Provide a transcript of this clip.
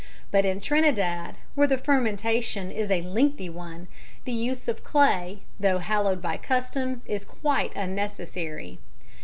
But in Trinidad, where the fermentation is a lengthy one, the use of clay, though hallowed by custom, is quite unnecessary.